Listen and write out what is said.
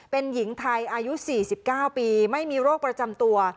เป็นหญิงไทยอายุ๔๙ปีไม่มีโรคประจำตัว